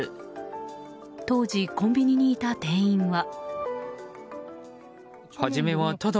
当時、コンビニにいた店員は。